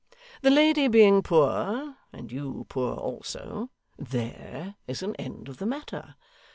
The lady being poor and you poor also, there is an end of the matter.